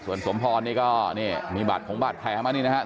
ส่วนสมพรก็นี่มีบัตรผมบัตรแพ้มานี่นะครับ